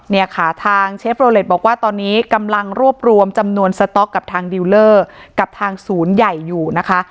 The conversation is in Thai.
เนี่ยค่ะทางเชฟโรเล็ตบอกว่าตอนนี้กำลังรวบรวมจำนวนสต๊อกกับทางดิวเลอร์กับทางศูนย์ใหญ่อยู่นะคะ